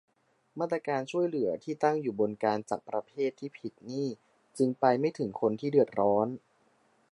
มาตรการช่วยเหลือที่ตั้งอยู่บนการจัดประเภทที่ผิดนี้ จึงไปไม่ถึงคนที่เดือดร้อน